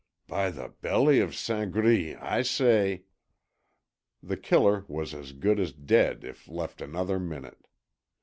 By the belly of Saint Gris, I say " The Killer was as good as dead if left another minute.